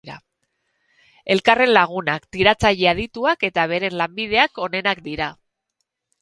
Elkarren lagunak, tiratzaile adituak eta beren lanbideak onenak dira.